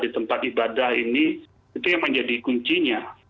di tempat ibadah ini itu yang menjadi kuncinya